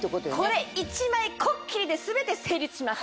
これ１枚こっきりで全て成立します！